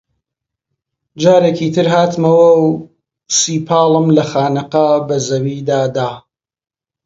جارێکی تر هاتمەوە و سیپاڵم لە خانەقا بە زەویدا دا